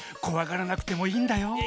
こわがらなくてもいいんだよ。